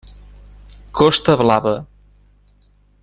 Costa Blava.